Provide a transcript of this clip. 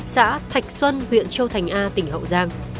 xã thạch xuân huyện châu thành a tỉnh hậu giang